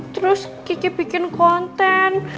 terus kiki bikin konten